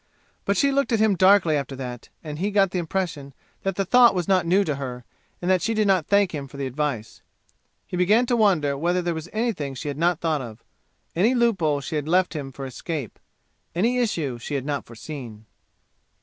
But she looked at him darkly after that and he got the impression that the thought was not new to her, and that she did not thank him for the advice. He began to wonder whether there was anything she had not thought of any loophole she had left him for escape any issue she had not foreseen.